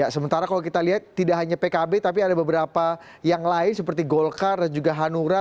sementara kalau kita lihat tidak hanya pkb tapi ada beberapa yang lain seperti golkar dan juga hanura